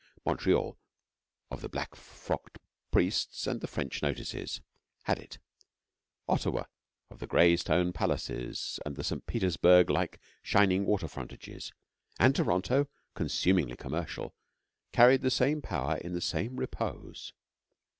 Montreal, of the black frocked priests and the French notices, had it; and Ottawa, of the grey stone palaces and the St. Petersburg like shining water frontages; and Toronto, consumingly commercial, carried the same power in the same repose.